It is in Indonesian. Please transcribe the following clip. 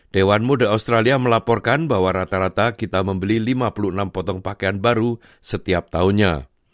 dewan muda australia melaporkan bahwa rata rata kita membeli lima puluh enam potong pakaian baru setiap tahunnya